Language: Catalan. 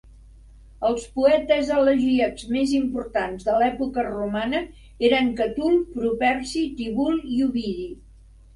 Els poetes elegíacs més importants de l'època romana eren Catul, Properci, Tibul i Ovidi.